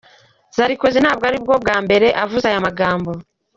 Sarkozy ntabwo ari bwo bwa mbere avuze aya magambo.